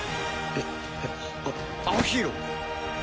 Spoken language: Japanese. えっあっアオヒーロー。